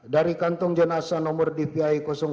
dari kantong jenasa nomor dvi